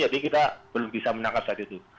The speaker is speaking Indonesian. jadi kita belum bisa menangkap saat itu